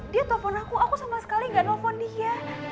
dia telepon aku aku sama sekali gak nelfon dia